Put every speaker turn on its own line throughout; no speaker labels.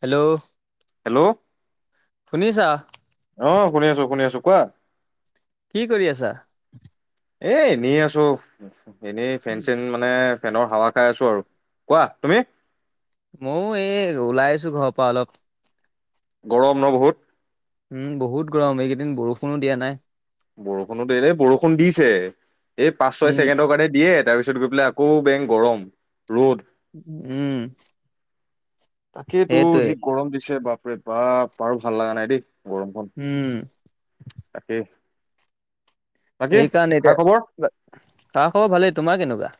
Hello
hello
শুনিছা?
অঁ শুনি আছো শুনি আছো, কোৱা?
কি কৰি আছা?
এ এনেই আছো, এনেই ফেন চেন মা নে ফেনৰ হাৱা খাই আছো আৰু কোৱা তুমি
ময়ো এই ওলাই আহিছো ঘৰৰ পৰা অলপ।
গৰম নহ বহুত।
উম, বহুত গৰম এইকেইদিন বৰষুণো দিয়া নাই।
বৰষুণো এই বৰষুণ দিছে, এই পাঁচ ছয়
উম
ছেকেণ্ডৰ কাৰণে দিয়ে, তাৰপিছত গৈ পেলাই আকৌ বেং গৰম, ৰ'দ
উম।
তাকেই তো
সেইটোৱে
যি গৰম দিছে বাপৰে বাপ পাৰো ভাল লগা নাই দেই গৰমখন।
উম।
তাকেই। বাকী
সেইকাৰণে
খা খবৰ
এতিয়া, তাৰ খবৰ ভালেই তোমাৰ কেনেকুৱা?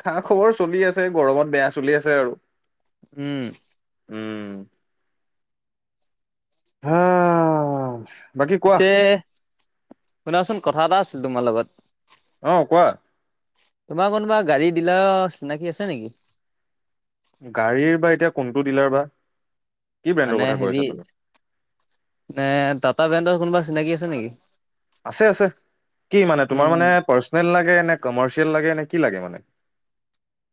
খা খবৰ চলি আছে গৰমত বেয়া চলি আছে আৰু।
উম।
উম। হা বাকী কোৱা
পিছে শুনাচোন কথা এটা আছিল তোমাৰ লগত।
অঁ, কোৱা।
তোমাৰ কোনোবা গাড়ী ডিলাৰ চিনাকি আছে নেকি?
গাড়ীৰ বা এতিয়া কোনটো ডিলাৰ বা। কি ব্ৰেণ্ডৰ
মানে
কথা কৈ
হেৰি
আছা তুমি?
এই টাটা ব্ৰেণ্ডৰ কোনোবা চিনাকি আছে নেকি?
আছে আছে, কি মানে
উম
তোমাৰ মানে পাৰ্চনেল লাগে নে কমাৰ্চিয়েল লাগে নে কি লাগে মানে?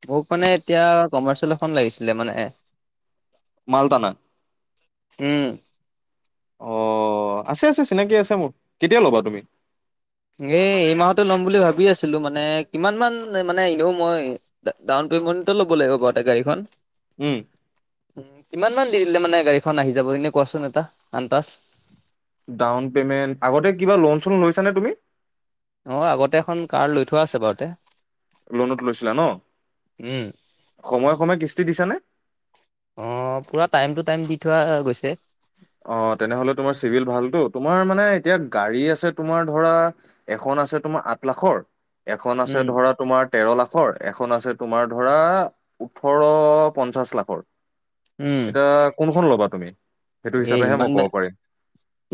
মোক মানে এতিয়া কমাৰ্চিয়েল এখন লাগিছিলে মানে।
মালতানা।
উম
অ আছে আছে চিনাকি আছে মোৰ, কেতিয়া ল'বা তুমি?
এই মাহতে ল'ম বুলি ভাবি আছিলো মানে কিমান মান মানে এনেয়ো মই ডাউন পেমেণ্টতে ল'ব লাগিব গাড়ীখন।
উম।
কিমান মান দি দিলে মানে গাড়ীখন আহি যাব এনেই কোৱাচোন এটা আন্দাচ।
ডাউন পে'মেণ্ট আগতে কিবা লোন চোন লৈছা নে তুমি?
অঁ' আগতে এখন কাৰ লৈ থোৱা আছে বাৰুতে।
লোনত লৈছিলা ন
উম
সময়ে সময়ে কিস্তি দিছানে?
অঁ' পূৰা টাইম টু টাইম দি থোৱা গৈছে।
অ' তেনেহলে তোমাৰ চিভিল ভালতো তোমাৰ মানে এতিয়া গাড়ী আছে তোমাৰ ধৰা এখন আছে তোমাৰ আঠ লাখৰ এখন আছে
উম
ধৰা তোমাৰ তেৰ লাখৰ এখন আছে তোমাৰ ধৰা ওঠৰ পঞ্চাশ লাখৰ। এতিয়া কোনখন ল'বা তুমি? সেইটো
এ
হিচাপেহে
ইমান
মই
দা
ক'ব পাৰিম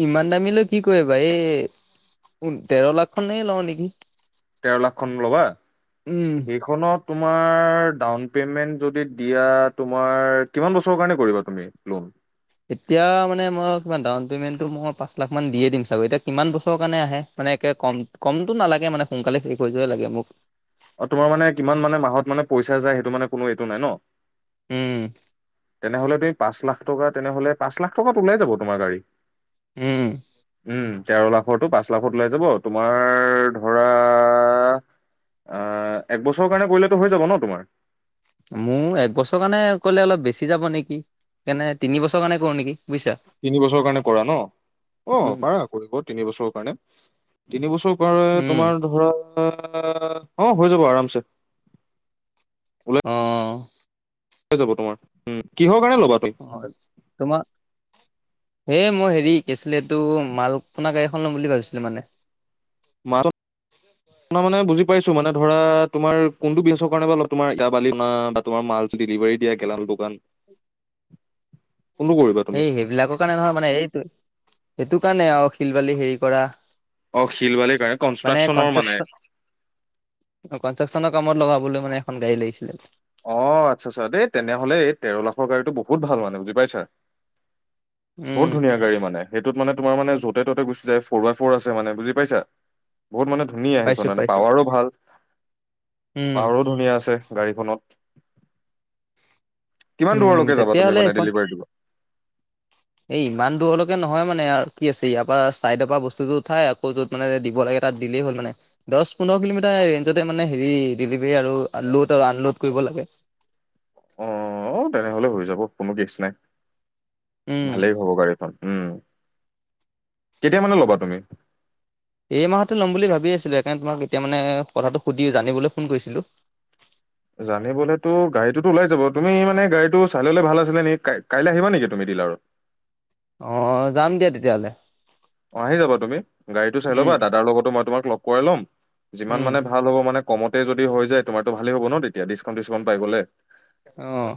ইমান দামী লৈ কি কৰিবা এই তেৰ লাখ খনে লওঁ নিকি।
তেৰ লাখখন ল'বা
উম
সেইখনত তোমাৰ ডাউন পেমেণ্ট যদি দিয়া তোমাৰ কিমান বছৰৰ কাৰণে কৰিবা তুমি লোন?
এতিয়া মানে মই কিমান ডাউন পেমেণ্টটো মই পাঁচ লাখ মান দিয়ে দিম চাগৈ এতিয়া কিমান বছৰৰ কাৰণে আহে মানে একে কম কমটো নালাগে মানে সোনকালে শেষ হৈ যোৱাই লাগে মোক।
অ' তোমাৰ মানে কিমান মানে মাহত মানে পইচা যায় সেইটো মানে কোনো এইটো নাই ন।
উম,
তেনেহলে তুমি পাঁচ লাখ টকা তেনেহলে পাঁচ লাখ টকাত ওলাই যাব তোমাৰ গাড়ী।
উম,
উম, তেৰ লাখৰটো পাঁচ লাখত ওলাই যাব তোমাৰ ধৰা আ এক বছৰৰ কাৰণে কৰিলেতো হৈ যাব ন তোমাৰ।
মোৰ একবছৰ কাৰণে কৰিলে অলপ বেছি যাব নিকি সেইকাণে তিনি বছৰ মানে কৰো নেকি বুইছা।
তিন বছৰৰ কাৰণে কৰা ন অ' পাৰা কৰিব তিনিবছৰৰ কাৰণে। তিনিবছৰৰ কৰা
উম,
তোমাৰ ধৰা অ' হৈ যাব আৰামছে।
অঁ'
হৈ যাব তোমাৰ উম কিহৰ কাৰণে ল'বা তুমি?
হয় তোমা এই মই হেৰি কি আছিলে এইটো মালটনা গাড়ী এখন ল'ম বুলি ভাবিছিলোঁ মানে।
মা ত নহ মানে বুজি পাইছো মানে ধৰা তোমাৰ কোনটো বেচৰ কাৰণে তোমাৰ বোকা বালি না তোমাৰ মালচ ডিলেভাৰী দিয়া গেলামাল দোকান
[unintelligible]
কোনটো কৰিবা তুমি
এই সেইবিলাকৰ কাৰণে নহয় মানে এইটো সেইটো কাৰণে আৰু শিল বালি হেৰি কৰা।
অঁ' শিল বালিৰ কাৰণে
মানে
কনষ্ট্ৰাকশ্যনৰ মানে।
অ' কনষ্ট্ৰাকশ্যনৰ কামত লগাবলৈ মানে এখন গাড়ী লাগিছিলে।
অ' আচ্ছা আচ্ছা দেই তেনেহলে এই তেৰ লাখৰ গাড়ীটো বহুত ভাল মানে বুজি পাইছা।
উম,
বহুত ধুনীয়া গাড়ী মানে সেইটোত মানে তোমাৰ মানে যতে ততে গুচি যায় ফৰ' বাই ফৰ ' আছে মানে বুজি পাইছা। বহুত মানে ধুনীয়া
পাইছো,
সেইখন মান
পাইছো,
পাৱাৰো ভাল
উম,
পাৱাৰো ধুনীয়া আছে গাড়ীখনত। কিমান
উম,
দূৰলৈকে যাবা তুমি
তেতিয়াহ'লে
মানে ডেলিভাৰ দিব
এ ইমান দূৰলৈকে নহয় মানে আৰু কি আছে ইয়াৰ পৰা চাইডৰ পা বস্তুটো উঠাই আকৌ যত মানে দিব লাগে তাত দিলেই হ'ল মানে। দছ পোন্ধৰ কিলোমিটাৰ ৰেঞ্জতে মানে হেৰি ডেলিভাৰী আৰু লোড আনলোড কৰিব লাগে।
অ' তেনেহলে হৈ যাব কোনো কেছ নাই
উম
ভালেই হব গাড়ীখন উম' কেতিয়া মানে লবা তুমি।
এই মাহতে ল'ম বুলি ভাবি আছিলোঁ। সেইকাৰণে তোমাক এতিয়া মানে কথাটো সুধি জানিবলৈ ফোন কৰিছিলো।
জানিবলেটো গড়ীটোতো ওলাই যাব। তুমি মানে গাড়ীটো চাই ললে ভাল নি কা কাইলে আহিবা নেকি তুমি ডিলাৰত
অ' যাম দিয়া তেতিয়াহলে।
অ' আহি যাবা তুমি গাড়ীটো চাই লবা
উম
দাদাৰ লগতো মই তোমাক লগ কৰাই ল'ম যিমান
উম
মানে ভাল হব মানে কমতে যদি হৈ যায় তোমাৰতো ভালেই হব ন তেতিয়া, ডিছকাউণ্ট টিছকাউণ্ট পাই গলে।
অঁ।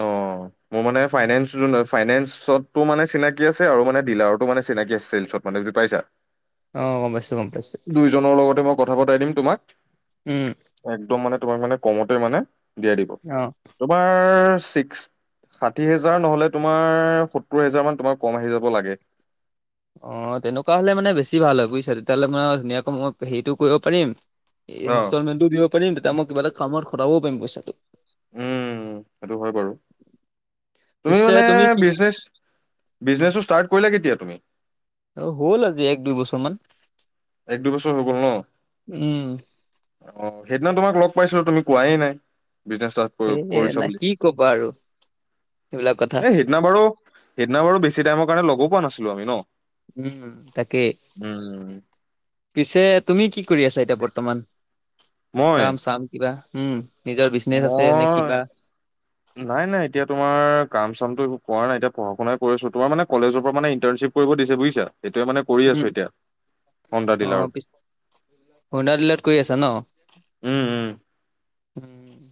অ'। মোৰ মানে ফাইনেন্স ফাইনেন্সতটো মানে চিনাকি আছে, আৰু মানে ডিলাৰতো মানে চিনাকি আছে। [unintelligible] পাইছা
অঁ গম পাইছোঁ, গম পাইছোঁ।
জনৰ লগতে মই কথা পতোৱাই দিম তোমাক
উম
একদম মানে তোমাক মানে কমতে মানে দিয়াই দিব।
অ
তোমাৰ চিক্স- ষাঠি হেজাৰ নহ'লে তোমাৰ সত্তৰ হেজাৰ মান তোমাৰ কম আহি যাব লাগে।
অ' তেনেকুৱা হলে মানে বেছি ভাল হয় বুজিছা, তেতিয়াহ'লে মানে ধুনীয়াকৈ মই হেৰিটো কৰিব পাৰিম। এ ইনষ্টলমেণ্টটোও দিব পাৰিম, তেতিয়া মই কিবা এটা কামত খটাব‌ও পাৰিম পইচাটো।
উম, সেইটো হয় বাৰু, তুমি
পিছে
মানে
কি
বিজনেছ - বিজনেছটো ষ্টাৰ্ট কৰিলা কেতিয়া তুমি?
অ হ'ল আজি এক দুই বছৰ মান।
এক দুই বছৰ হৈ গল ন?
উম
অ সেইদিনা তোমাক লগ পাইছিলো তুমি কোৱে নাই বিকাশ তাত।
এ নাই, কি কবা আৰু সেইবিলাক কথা।
এ সেইদিনা বাৰু, সেইদিনা বাৰু বেছি টাইমৰ কাৰণে লগো পোৱা নাছিলো আমি ন?
উম তাকে,
উম,
পিছে তুমি কি কৰি আছা এতিয়া বৰ্তমান?
মই
কাম চাম কিবা, উম' নিজৰ বিজনেছ আছে নে
মই
কিবা।
নাই নাই এতিয়া তোমাৰ কাম চামটো একো কৰা নাই এতিয়া পঢ়া শুনাই কৰিছোঁ, তোমাৰ মানে কলেজৰ পৰা মানে ইন্টাৰ্ণশ্বিপ কৰিব দিছে বুজিছা। এইটোৱে মানে কৰি
উম
আছো এতিয়া, হোণ্ডা ডিলাৰত।
হোণ্ডা ডিলাৰত কৰি আছা ন?
উম উম
উম উম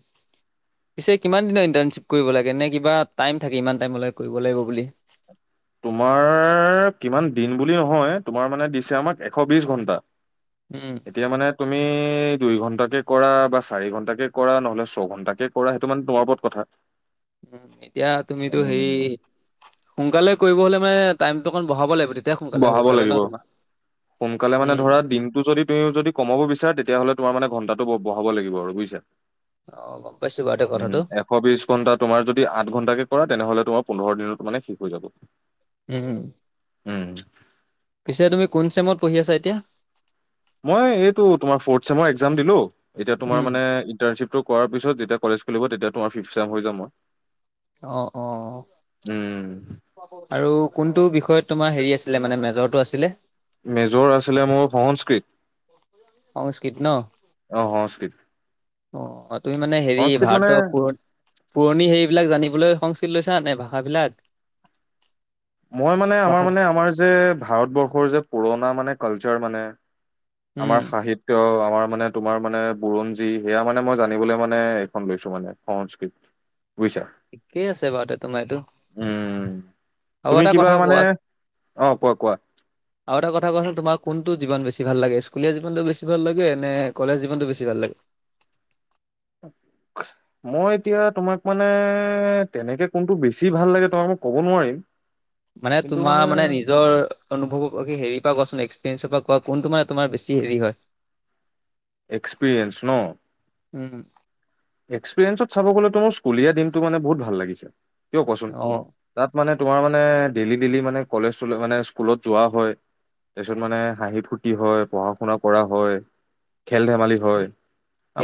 পিছে কিমান দিনৰ ইণ্টাৰ্ণশ্বিপ কৰিব লাগে নে কিবা টাইম থাকে ইমান টাইমলেকে কৰিব লাগিব বুলি? [unintelligible]
তোমাৰ কিমান দিন বুলি নহয়, তোমাৰ মানে দিছে আমাক এশ বিশ ঘন্টা।
উম'।
এতিয়া মানে তুমি দুই ঘণ্টাকে কৰা বা চাৰি ঘণ্টাকে কৰা নহলে ছঘন্টাকে- কৰা সেইটো মানে তোমাৰ ওপৰত কথা।
[inaudible] উম, এতিয়া তুমিতো হেৰি সোনকালে কৰিব হলে মানে টাইমটো অকণ বঢ়াব লাগিব তে
বঢ়াব লাগিব, সোনকালে মানে
উম
ধৰা দিনটো যদি- তুমিও যদি কমাব বিচাৰা তেতিয়াহ'লে তোমাৰ মানে ঘণ্টাটো ব বঢ়াব লাগিব আৰু বুইছা।
অ' গম পাইছোঁ বাৰুতে কথাটো।
এশবিছ ঘণ্টা তোমাৰ যদি আঠ ঘণ্টাকে কৰা তেনেহ'লে তোমাৰ পোন্ধৰ দিনত মানে শেষ হৈ যাব।
উম উম,
উম
পিছে তুমি কোন চেমত পঢ়ি আছা এতিয়া?
মই এইটো তোমাৰ ফ'ৰট চেমৰ একজাম দিলো, এতিয়া
উম
তোমাৰ মানে ইন্টাৰ্ণশ্বিপটো কৰাৰ পিছত যেতিয়া কলেজ খুলিব তেতিয়া তোমাৰ ফিফ চেম হৈ যাম মই।
অ' অ'। আৰু কোনটো বিষয়ত তোমাৰ হেৰি আছিলে মানে মেজৰটো আছিলে?
মেজৰ আছিলে মোৰ সংস্কৃত।
সংস্কৃত ন'?
অ অ সং
অ অ, তুমি মানে হেৰি
সংস্কৃত মানে
ভাৰতৰ পুৰ পুৰণি হেৰি বিলাক জানিবলৈ সংস্কৃত লৈছা, নে ভাষাবিলাক?
মই মানে আমাৰ
ভাষাত
মানে আমাৰ যে ভাৰতবৰ্ষৰ যে পুৰণা মানে কালচাৰ মানে
উম
আমাৰ সাহিত্য, আমাৰ মানে তোমাৰ মানে বুৰঞ্জী, সেয়া মানে মই জানিবলৈ মানে এইখন লৈছো মানে সংস্কৃত। বুইছা?
ঠিকেই আছে বাৰু তে তোমাৰ এইটো।
উম,
আৰু
তুমি
এটা
কিবা
কথা
মানে,
কোৱা
অ', কোৱা, কোৱা?
আৰু এটা কথা কোৱাচোন, তোমাৰ কোনটো জীবান বেছি ভাল লাগে, স্কুলীয়া জীৱনটো বেছি ভাল লাগে নে কলেজ জীৱনটো বেছি ভাল লাগে?
[unintelligible] মই এতিয়া তোমাক মানে তেনেকে কোনটো বেছি ভাল লাগে তোমাক মই ক'ব নোৱাৰিম।
মানে তোমাৰ মানে নিজৰ অনুভৱৰ প হেৰী পৰা এক্সপিৰিয়েঞ্চৰ পৰা কোৱা মানে তোমাৰ বেছি হেৰি হয়?
এক্সপিৰিয়েন্ঞ্চ ন'?
উম।
এক্সপিৰিয়েঞ্চত চাব গ'লেতো মোৰ স্কুলীয়া দিনটো মানে বহুত ভাল লাগিছে। কিয় কোৱাচোন?
অ
তাত মানে তোমাৰ মানে ডেইলি ডেইলি মানে কলেজ মানে স্কুলত যোৱা হয়। তাৰ পিছত মানে হাঁহি ফূৰ্তি হয়, পঢ়া শুনা কৰা হয়, খেল ধেমালি হয়।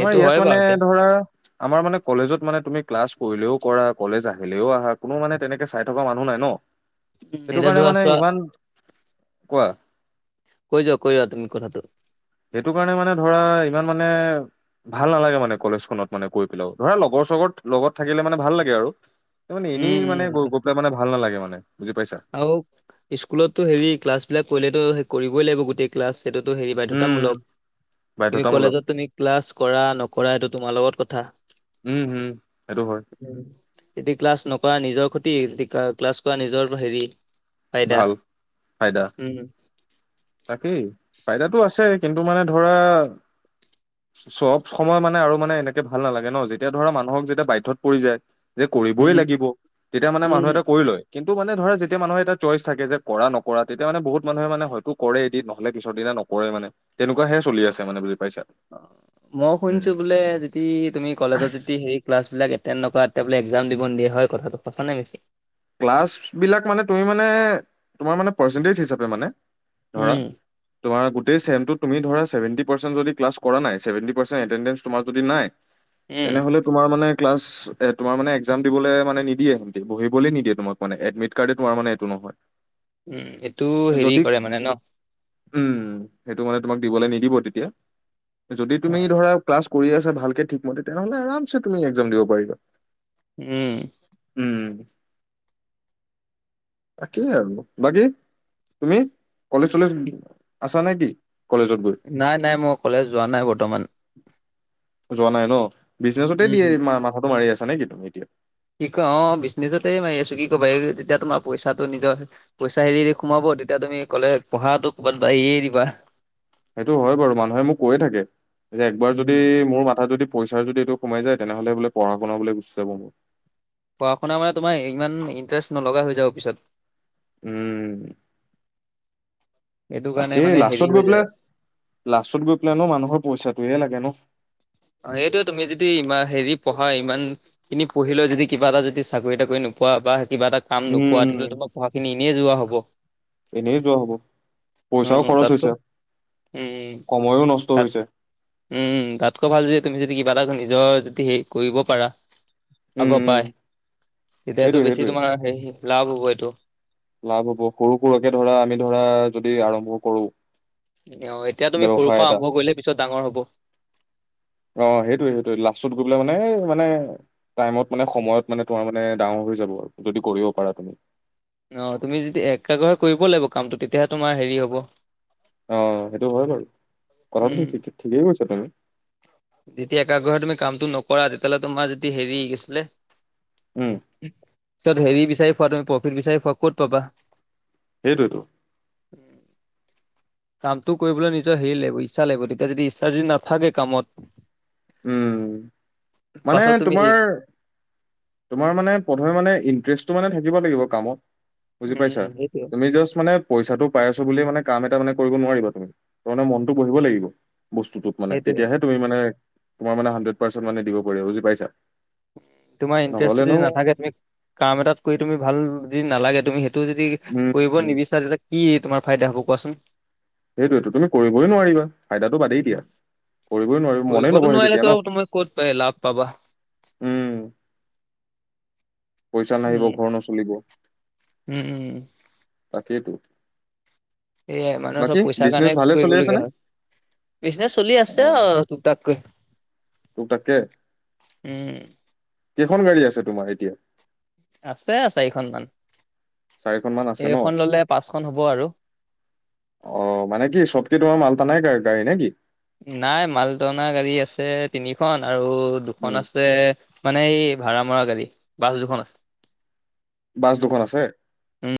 আমাৰ
হয়
ইয়াত মানে
বাৰু তে
ধৰা আমাৰ মানে কলেজত মানে তুমি ক্লাছ কৰিলেও কৰা, কলেজ আহিলেও আহা, কোনো মানে তেনেকে চাই থকা মানুহ নাই ন'।
উম,
সেইটো
এতিয়া
কাৰণে
ধৰা
মানে
চোৱা
ইমান, কোৱা?
কৈ যোৱা কৈ যোৱা তুমি কথাটো।
সেইটো কাৰণে মানে ধৰা, ইমান মানে ভাল নালাগে মানে কলেজখনত। মানে গৈ পেলাও, ধৰা লগৰ চগৰ লগত থাকিলে মানে ভাল লাগে আৰু। মানে
উম
এনেই মানে গৈ
উম
গৈ পেলাই মানে ভাল নালাগে মানে বুজি পাইছা।
আৰু স্কুলতো হেৰি, ক্লাছ বিলাক কৰিলেতো শেষ কৰিবই লাগিব গোটেই ক্লাছ সেইটোতো হেৰি
উম,
বাধ্যতামূলক। কিন্তু
বাধ্যতামূলক
কলেজত তুমি ক্লাছ কৰা নকৰা এইটো তোমাৰ লগত কথা।
উম, হুম। এইটো হয়।
যদি ক্লাছ নকৰা নিজৰ ক্ষতি। ক্লাছ কৰা নিজৰ হেৰি ফাইদা
ভাল, ফাইদা।
উম
তাকেই, ফাইদাতটো আছে। কিন্তু মানে ধৰা চব সময় মানে আৰু মানে এনেকে ভাল নালাগে ন', যেতিয়া ধৰা মানুহক যেতিয়া বাধ্যত পৰি যায় যে
উম
কৰিবই লাগিব, তেতিয়া মানে মানুহ
উম
এটা কৰি লয়। কিন্তু মানে ধৰা যেতিয়া মানুহে এটা চইচ থাকে যে কৰা নকৰা, তেতিয়া মানে বহুত মানুহে মানে হয়তো কৰে এদিন নহ'লে পিছৰদিনা নকৰে মানে। তেনেকুৱাহে চলি আছে, মানে বুজি পাইছা?
মই
উম,
শুনিছোঁ, বোলে যদি তুমি কলেজত যদি হেই ক্লাছবিলাক এটেণ্ড নকৰা তেতিয়া বোলে এক্সাম দিব নিদিয়ে হয় কথাটো। সঁছা নে মিছা?
ক্লাছ বিলাক মানে তুমি মানে তোমাৰ মানে পাৰ্চেনটেজ হিচাপে মানে ধৰা।
উম
তোমাৰ গোটেই ছেমটোত তুমি ধৰা ছেভেনটি পাৰ্চেণ্ট যদি ক্লছ কৰা নাই, চেভেনটি পাৰ্চেন্ত যদি নাই
উম
তেনেহ'লে তোমাৰ মানে ক্লাছ তোমাৰ মানে একজাম দিবলৈ মানে নিদিয়ে সিহ'তে। বহি বহিবলে নিদিয়ে তোমাৰ মানে এডমিট কাৰ্ডখনে তোমাৰ মানে এইটো নহয়।
উম। এইটো হেৰি
যদি
কৰে মানে ন?
উম, সেইটো মানে তোমাক দিবলৈ নিদিব তেতিয়া। যদি
অ
তুমি ধৰা ক্লাছ কৰি আছা ভালকে ঠিকমতে তেনেহ'লে আৰামচে তুমি এক্সাম দিব পাৰিবা।
উম।
উম' তাকেই আৰু বাকী তুমি কলেজ চলেজ। আছ নেকি কলেজত গৈ?
নাই নাই মই কলেজ যোৱা নাই বৰ্তমান।
যোৱা নাই ন, বিজনেছতে দিয়ে
উম
মাথাটো মাৰি আছা নেকি তুমি এতিয়া?
কি কয় অঁ' বিজনেছতে মাৰি আছো কি ক'বা এই যেতিয়া তোমাৰ পইচাটো নিজৰ- পইচা এৰি এৰি সোমাব, তেতিয়া তুমি ক'লে পঢ়াতো ক'বাত বা এৰিয়ে দিবা।
সেইটো হয় বাৰু, মানুহে মোক কৈয়ে থাকে। যে একবাৰ যদি
উম
মোৰ মাথাত যদি- পইচাৰ যদি এইটো সোমাই যায়, তেনেহ'লে বোলে পঢ়া শুনা বুলে গুচি যাব মোৰ।
পঢ়া শুনা মানে তোমাৰ ইমান ইণ্টেৰেষ্ট নলগা হৈ যাব পিছত।
উম'
সেইটো কাৰণে
তাকেই,
মানে হেৰি
লাষ্টত গৈ
হৈ যায়
পেলাই,
আৰু
লাষ্টত গৈ পেলাই নো মানুহক পইচাটোয়ে লাগে ন।
অঁ' সেইটোয়ে তুমি যদি ইমান হেৰি পঢ়া ইমান- খিনি পঢ়িলা যদি কিবা এটা যদি চাকৰি তাকৰি নোপোৱা বা কিবা এটা- কাম নোপোৱা
উম,
তেতিয়া হলে তোমাৰ পঢ়াখিনি এনেই যোৱা হ'ব।
এনেই যোৱা হ'ব, পইচাও
উম
খৰচ
তাতকৈ
হৈছে,
উম
সময়ও নষ্ট
তাত
হৈছে।
উম' তাতকৈ ভাল যদি তুমি যদি কিবা এটা নিজৰ যদি হেৰি কৰিব পাৰা।
উম,
আগৰ
উম,
পাই, তেতিয়াটো
সেইটোয়ে
বেছি
সেইটোয়ে
তোমাৰ হেৰি লাভ হ'ব এইটো।
লাভ হব, সৰু সৰুকে ধৰা আমি ধৰা যদি আৰম্ভ কৰো।
অঁ' এতিয়া তুমি সৰুৰ
ব্যৱসায়
পৰা
এটা
আৰম্ভ কৰিলে পিছত ডাঙৰ হ'ব।
অঁ' সেইটোৱে সেইটোৱে লাষ্টত গৈ পেলাই মানে এই মানে- টাইমত মানে সময়ত মানে তোমাৰ মানে ডাঙৰ হৈ যাব, যদি কৰিব পাৰা তুমি।
অঁ' তুমি যদি একাগ্ৰহে কৰিব লাগিব কামটো তেতিয়াহে তোমাৰ হেৰি হ'ব।
অঁ সেইটো হয় বাৰু, কথাটো
উম
তুমি ঠিকেই কৈছা বাৰু।
যেতিয়া একাগ্ৰহে তুমি কামটো নকৰা তেতিয়াহ'লে তোমাৰ যদি হেৰি কি আছিলে-
উম
তাত হেৰি বিচাৰি ফুৱা তুমি প্ৰফিট বিচাৰি ফুৱা ক'ত পাবা।
সেইটোৱেইটো।
উম' কামটো কৰিবলৈ নিজৰ হেৰি লাগিব ইচ্ছা লাগিব তেতিয়া যদি ইচ্ছা যদি নাথাকে কামত।
উম' মানে
পাছত তুমি সেই
তোমাৰ- তোমাৰ মানে প্ৰথমে মানে ইণ্টাৰেষ্টটো মানে থাকিব লাগিব কামত। বুজি পাইছা?
উম সেইটোৱে
তুমি জাষ্ট মানে- পইচাটো পাই আছো বুলিয়ে মানে কাম এটা মানে কৰিব নোৱাৰিবা তুমি, তাৰ মানে মনটো বহিব লাগিব বস্তুটোত। মানে,
সেইটোৱে
তেতিয়াহে তুমি মানে তোমাৰ মানে হানড্ৰেট পাৰ্চেন্ট মানে দিব পাৰিব বুজি পাইছা?
তোমাৰ ইণ্টেৰেষ্ট যদি
নহ'লেনো
নাথাকে তুমি কাম এটাত কৰি তুমি ভাল যি নালাগে তুমি সেই- তুমি যদি কৰিব
উম
নিবিচাৰা, তেনেহলে কি তোমাৰ ফাইদা হ'ব কোৱাচোন?
সেইটোৱেটো তুমি কৰিবই নোৱাৰিবা। ফাইদাটো বাদেই দিয়া। কৰিবই নোৱাৰো মনেই
কৰিবতো
নবহে তেতিয়া
নোৱাৰিলেতো
ন।
তুমি ক'ত পাই লাভ পাবা
উম পইচা নাহিব
উম
ঘৰ নচলিব।
উম' উম'।
তাকেইতো।
সেয়াই মানুহে
বাকী
চব পইচাৰ
বিজনেচ
কাৰণে
ভালে চলি আছে
কৰিবলগীয়া
নে
হয় বিজনেচ চলি আছে আও। তোকতাক কৈ।
তোকতাককে,
উম
কেইখন গাড়ী আছে তোমাৰ এতিয়া?
আছে চাৰিখন মান,
চাৰিখন মান আছে ন
এইখন ললে পাঁচখন হ'ব আৰু।
অ', মানে কি চবকে তোমাৰ মালট নাই গা-গাড়ী নে কি?
নাই, মালটনা গাড়ী আছে তিনিখন আৰু দুখন
উম
আছে মানে এই ভাড়া মৰা গাড়ী, বাছ দুখন আছে।
বাছ দুখন আছে?
উম